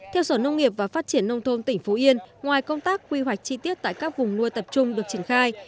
theo sở nông nghiệp và phát triển nông thôn tỉnh phú yên ngoài công tác quy hoạch chi tiết tại các vùng nuôi tập trung được triển khai